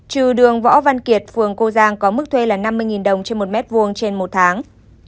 trừ đường võ văn kiệt phường cô giang có mức thuê là năm mươi đồng trên một mét vuông trên một tháng